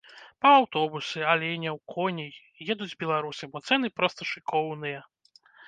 Па аўтобусы, аленяў, коней едуць беларусы, бо цэны проста шыкоўныя.